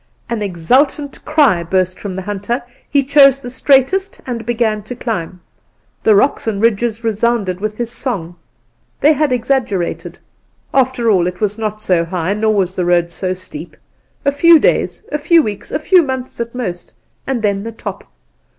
An exultant cry burst from the hunter. He chose the straightest and began to climb; and the rocks and ridges resounded with his song. They had exaggerated; after all, it was not so high, nor was the road so steep! A few days, a few weeks, a few months at most, and then the top!